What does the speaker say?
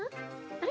あれ？